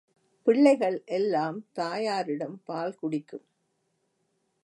பிள்ளைகள் எல்லாம் தாயாரிடம் பால் குடிக்கும்.